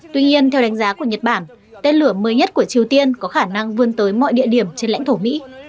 tuy nhiên theo đánh giá của nhật bản tên lửa mới nhất của triều tiên có khả năng vươn tới mọi địa điểm trên lãnh thổ mỹ